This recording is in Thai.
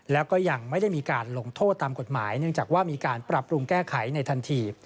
แล้วก็ยังไม่ได้มีการลงโทษตามกฎหมายเนื่องจากว่ามีการปรับปรุงแก้ไขในทันที